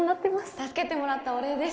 助けてもらったお礼です